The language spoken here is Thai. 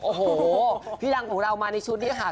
โอ้โหพี่รังของเรามาในชุดเนี่ยค่ะ